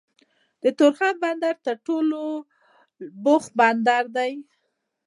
د تورخم بندر تر ټولو بوخت بندر دی